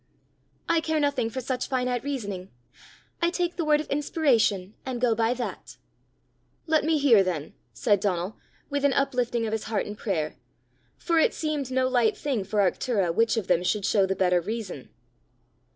"I care nothing for such finite reasoning. I take the word of inspiration, and go by that!" "Let me hear then," said Donal, with an uplifting of his heart in prayer; for it seemed no light thing for Arctura which of them should show the better reason.